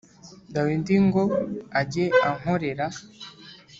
dawidi ngo ajye ankorera